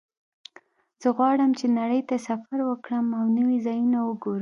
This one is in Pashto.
زه غواړم چې نړۍ ته سفر وکړم او نوي ځایونه وګورم